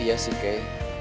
iya sih kay